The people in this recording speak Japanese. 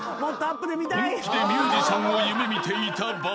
本気でミュージシャンを夢見ていたバタヤス］